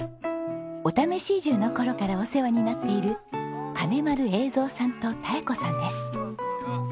お試し移住の頃からお世話になっている金丸栄三さんとたえ子さんです。